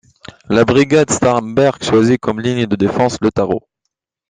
La brigade Starhemberg choisit comme ligne de défense le Taro.